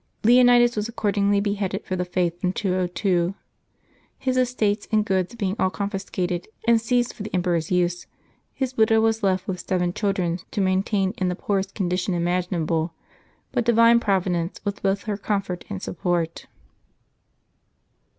Leo nides was accordingly beheaded for the faith in 202. His estates and goods being all confiscated, and seized for the emperor's use, his widow was left with seven children to maintain in the poorest condition imaginable; but Divine Providence was both her comfort and support.